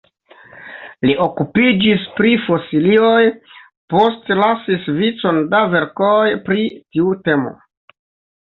Li okupiĝis pri fosilioj, postlasis vicon da verkoj pri tiu temo.